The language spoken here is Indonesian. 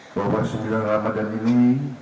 bahwa sembilan ramadan ini